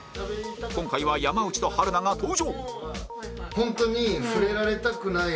今回は山内と春菜が登場